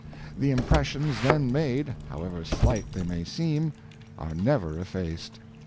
The impressions then made, how soever slight they may seem, are never effaced.